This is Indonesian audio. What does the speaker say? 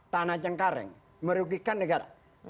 tanah cengkareng merugikan negara